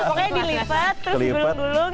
pokoknya dilipat terus digulung gulung